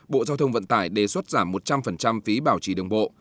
bộ giao thông vận tải đề xuất giảm một trăm linh phí bảo trì đường bộ